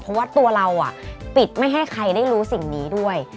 เพราะว่าตัวเราปิดไม่ให้ใครได้รู้สิ่งนี้ด้วย